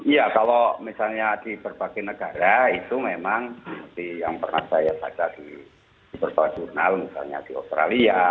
ya kalau misalnya di berbagai negara itu memang seperti yang pernah saya baca di beberapa jurnal misalnya di australia